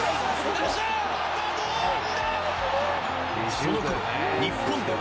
その頃、日本では。